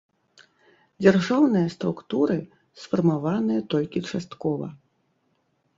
Дзяржаўныя структуры сфармаваныя толькі часткова.